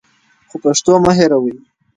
خو پښتو مه هېروئ.